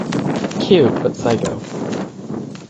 Cute, but psycho.